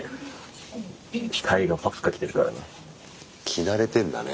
着慣れてんだね